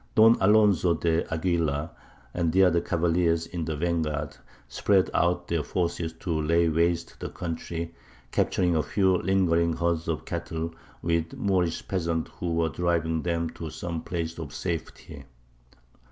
Don Alonzo de Aguilar, and the other cavaliers in the van guard, spread out their forces to lay waste the country, capturing a few lingering herds of cattle, with the Moorish peasants who were driving them to some place of safety.